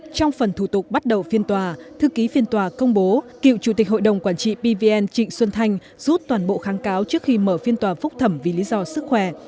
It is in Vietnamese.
trong phần thủ tục bắt đầu phiên tòa thư ký phiên tòa công bố cựu chủ tịch hội đồng quản trị pvn trịnh xuân thanh rút toàn bộ kháng cáo trước khi mở phiên tòa phúc thẩm vì lý do sức khỏe